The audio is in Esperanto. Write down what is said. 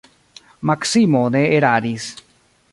Maksimo ne eraris.